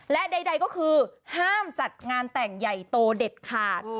และใดก็คือห้ามจัดงานแต่งใหญ่โตเด็ดขาด